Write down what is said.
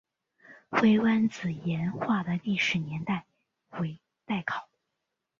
灰湾子岩画的历史年代为待考。